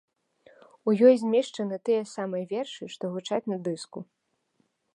У ёй змешчаны тыя самыя вершы, што гучаць на дыску.